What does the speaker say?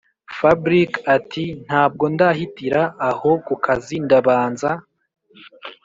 fabric ati”ntabwo ndahitira aho kukazi ndabanza